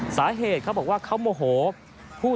สาเหตุเขาบอกว่าเขาโมโห